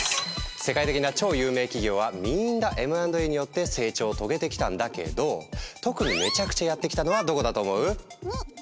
世界的な超有名企業はみんなＭ＆Ａによって成長を遂げてきたんだけど特にめちゃくちゃやってきたのはどこだと思う？